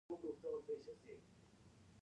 د افغاني میوو برنډ باید وپیژندل شي.